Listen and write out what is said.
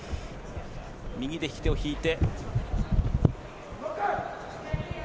右で引き手を引いて。